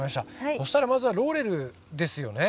そしたらまずはローレルですよね。